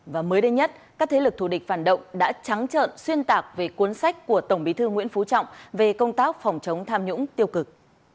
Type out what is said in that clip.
và mới đây nhất các thế lực thù địch phản động đã trắng trợn xuyên tạc về cuốn sách của tổng bí thư nguyễn phú trọng về công tác phòng chống tham nhũng tiêu cực